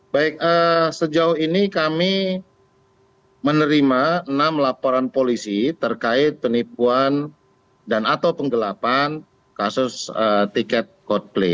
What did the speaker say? baik sejauh ini kami menerima enam laporan polisi terkait penipuan dan atau penggelapan kasus tiket coldplay